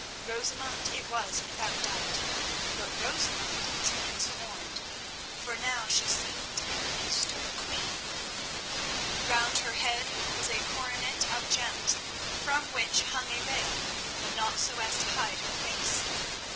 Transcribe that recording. Rosamund it was without doubt, but Rosamund transformed, for now she seemed an Eastern queen. Round her head was a coronet of gems from which hung a veil, but not so as to hide her face.